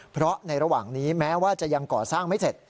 เพราะในระหว่างนี้แม้ว่าจะยังก่อสร้างไม่เสร็จ